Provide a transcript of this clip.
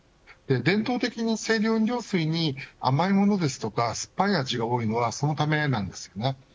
伝統的に、清涼飲料水に甘いものですとか酸っぱい味が多いのは、そのためなんです。